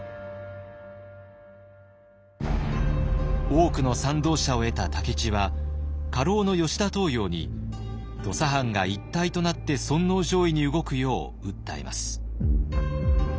多くの賛同者を得た武市は家老の吉田東洋に土佐藩が一体となって尊皇攘夷に動くよう訴えます。